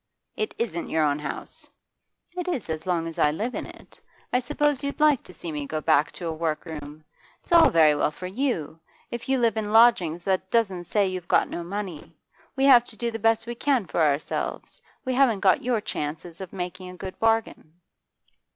'It isn't your own house.' 'It is as long as I live in it. I suppose you'd like to see me go back to a workroom. It's all very well for you; if you live in lodgings, that doesn't say you've got no money. We have to do the best we can for ourselves; we haven't got your chances of making a good bargain.